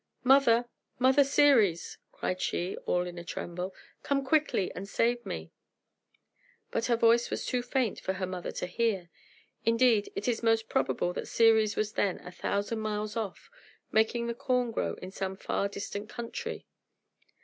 "Mother, Mother Ceres!" cried she, all in a tremble. "Come quickly and save me." But her voice was too faint for her mother to hear. Indeed, it is most probable that Ceres was then a thousand miles off, making the corn grow in some far distant country.